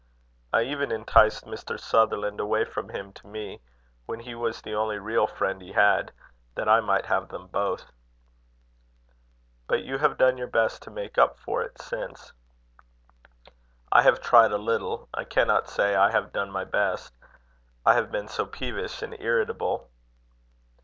I even enticed Mr. Sutherland away from him to me, when he was the only real friend he had, that I might have them both." "But you have done your best to make up for it since." "I have tried a little. I cannot say I have done my best. I have been so peevish and irritable."